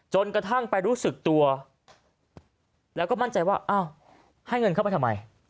จนกระทั่งไปรู้สึกตัวแล้วก็มั่นใจว่าอ้าวให้เงินเข้าไปทำไม